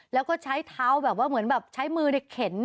แล้วก็ใช้เท้าแบบว่าเหมือนแบบใช้มือเข็น